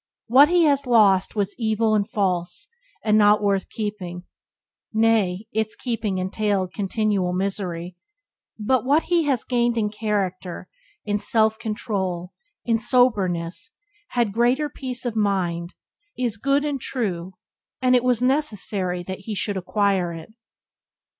What he has lost was evil and false and not worth keeping — nay, its keeping entailed continual misery — but what he has gained in character, in self control, in soberness had greater peace of mind, is good and true, and it was necessary that he should acquire it.